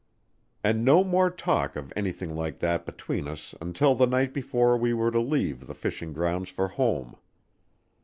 And no more talk of anything like that between us until the night before we were to leave the fishing grounds for home.